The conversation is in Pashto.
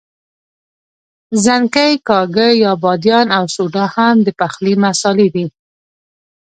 ځڼکۍ، کاږه یا بادیان او سوډا هم د پخلي مسالې دي.